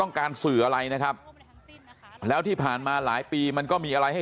การสื่ออะไรนะครับแล้วที่ผ่านมาหลายปีมันก็มีอะไรให้